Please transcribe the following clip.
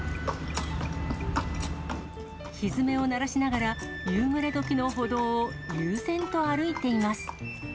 ひづめを鳴らしながら、夕暮れどきの歩道を悠然と歩いています。